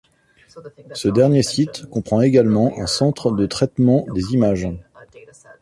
Ce dernier site comprend également un centre de traitement des images.